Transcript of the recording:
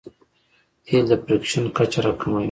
تېل د فریکشن کچه راکموي.